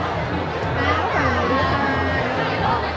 รอที่หลังรอที่หลัง